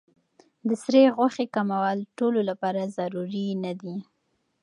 د سرې غوښې کمول ټولو لپاره ضروري نه دي.